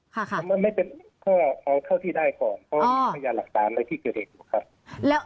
มันไม่เป็นเพราะเอาเข้าที่ได้ก่อนเพราะมีพยานหลักตามในที่เกิดเหตุ